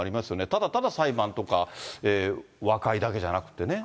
ただただ裁判とか、和解だけじゃなくてね。